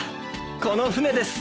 この船です。